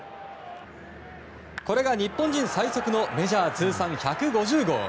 これが日本人最速のメジャー通算１５０号。